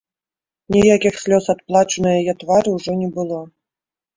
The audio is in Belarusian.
Ніякіх слёз ад плачу на яе твары ўжо не было.